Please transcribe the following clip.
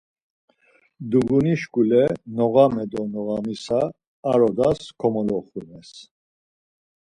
Duğunişkule noğame do noğamisa ar odas komoloxunes.